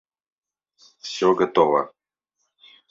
– Все готово.